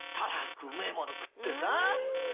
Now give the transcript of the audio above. うめえもの食ってさ。